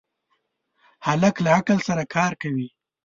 هلک له عقل سره کار کوي.